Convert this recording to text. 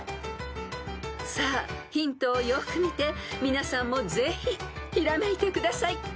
［さあヒントをよく見て皆さんもぜひひらめいてください］